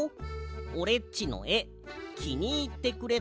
おれっちのえきにいってくれた？